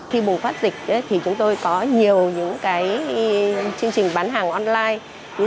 khi bùng phát dịch thì chúng tôi có nhiều những chương trình bán hàng online